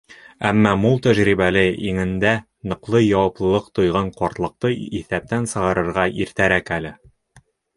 Әммә мул тәжрибәле, иңендә ныҡлы яуаплылыҡ тойған ҡартлыҡты иҫәптән сығарырға иртәрәк әле.